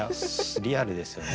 リアルですよね。